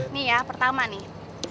nih ya pertama nih